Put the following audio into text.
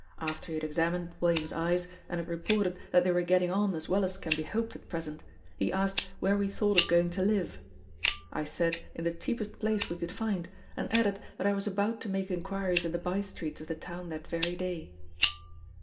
After he had examined William's eyes, and had reported that they were getting on as well as can be hoped at present, he asked where we thought of going to live? I said in the cheapest place we could find, and added that I was about to make inquiries in the by streets of the town that very day.